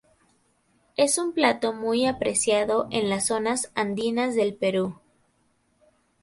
Es un plato muy apreciado en las zonas andinas del Perú.